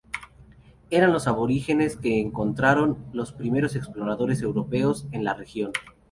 Eran los aborígenes que encontraron los primeros exploradores europeos en la región.